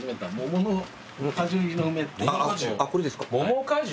桃果汁？